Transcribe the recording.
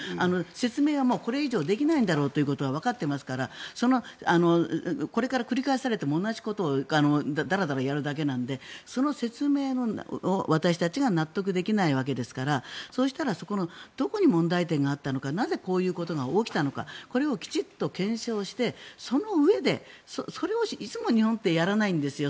説明はこれ以上できないんだろうということはわかっていますからこれから繰り返されても同じことをだらだらやるだけなのでその説明を私たちが納得できないわけですからそうしたらどこに問題点があったのかなぜ、こういうことが起きたのかきちんと検証してそのうえでそれをいつも日本ってやらないんですよ。